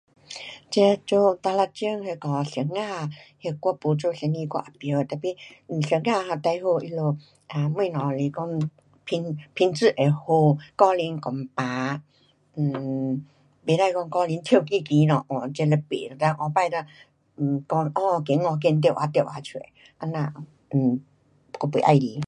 这做那一种那下老师，那我没做生意我有不会 tapi 老师 um 最好他们东西是讲品，品质会好价钱公平 um 不可说价钱跳高高 um 这就卖了，那改天了讲 um 减价减多少多少了出来。这样 um 我不喜欢。